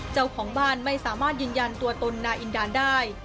เจ้าของบ้านไม่สามารถยืนยันตัวตนนายอินดานได้